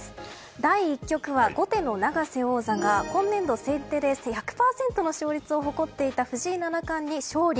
第１局は後手の永瀬王座が今年度、先手で１００％の勝率を誇っていた藤井七冠に勝利。